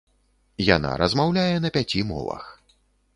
Яна размаўляе на пяці мовах.